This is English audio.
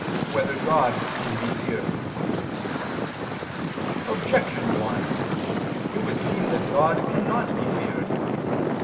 1] Whether God Can Be Feared? Objection 1: It would seem that God cannot be feared.